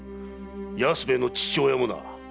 安兵衛の父親もな！